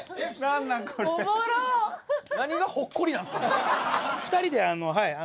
これ・・何がほっこりなんすか？